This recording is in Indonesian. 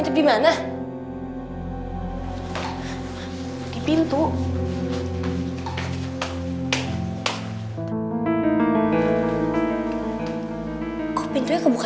tadi kan udah gue tutup